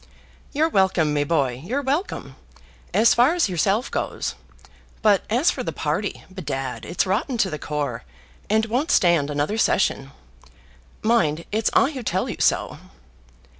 "You're welcome, me boy; you're welcome, as far as yourself goes. But as for the party, bedad, it's rotten to the core, and won't stand another session. Mind, it's I who tell you so."